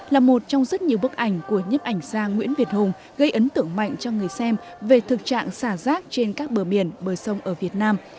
là một trong rất nhiều bức ảnh của nhếp ảnh gia nguyễn việt hùng gây ấn tượng mạnh cho người xem về thực trạng xả rác trên các bờ biển bờ sông ở việt nam